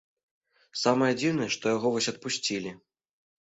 Самае дзіўнае, што яго вось адпусцілі!